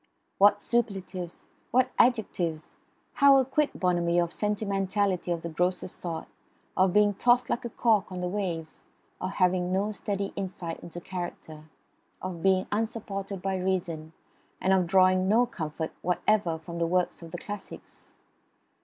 What superlatives! What adjectives! How acquit Bonamy of sentimentality of the grossest sort; of being tossed like a cork on the waves; of having no steady insight into character; of being unsupported by reason, and of drawing no comfort whatever from the works of the classics?